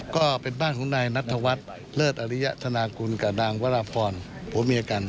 ก็เป็นบ้านของนายนัทวัฒน์เลิศอริยธนากุลกับนางวราพรผัวเมียกัน